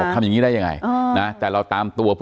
อ๋อเจ้าสีสุข่าวของสิ้นพอได้ด้วย